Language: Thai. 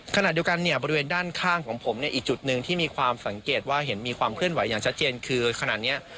ขณะเดียวกันเนี่ยบริเวณด้านข้างของผมเนี่ยอีกจุดหนึ่งที่มีความสังเกตว่าเห็นมีความเคลื่อนไหวอย่างชัดเจนคือขนาดนี้